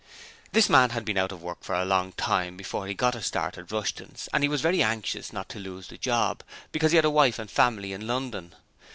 This man had been out of work for a long time before he got a start at Rushton's, and he was very anxious not to lose the job, because he had a wife and family in London.